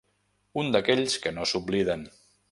Un d'aquells que no s'obliden.